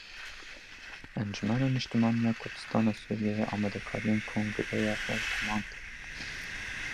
Encumena Niştimanî ya Kurdistana Sûriyeyê amadekariyên kongireya xwe temam kir.